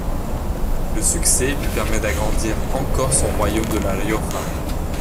Ce succès lui permet d'agrandir encore son royaume de la Rioja.